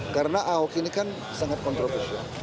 karena ahok ini kan sangat kontroversi